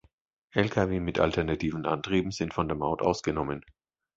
Lkw mit alternativen Antrieben sind von der Maut ausgenommen.